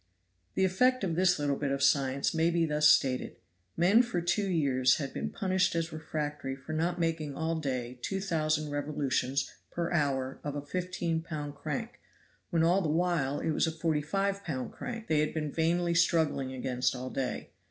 * The effect of this little bit of science may be thus stated Men for two years had been punished as refractory for not making all day two thousand revolutions per hour of a 15 lb. crank, when all the while it was a 45 lb. crank they had been vainly struggling against all day.